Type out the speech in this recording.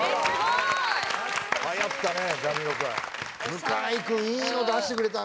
向井君いいの出してくれたね。